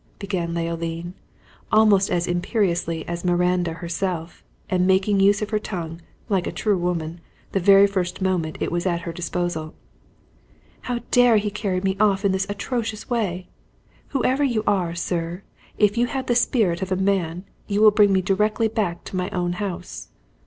began Leoline, almost as imperiously as Miranda herself, and making use of her tongue, like a true woman, the very first moment it was at her disposal. "How dare he carry me off in this atrocious way? Whoever you are, sir, if you have the spirit of a man, you will bring me directly back to my own house."